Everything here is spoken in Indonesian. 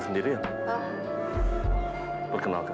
terima kasih ya